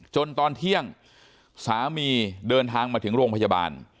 ตอนเที่ยงสามีเดินทางมาถึงโรงพยาบาล